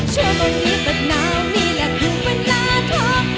ช่วยบางทีเป็นหนาวนี่แหละคือเวลาทอบ